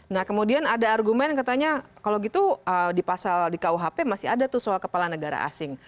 nah kemudian ada argumen yang katanya kalau gitu di pasal di kuhp masih ada tuh soal kepala negara asing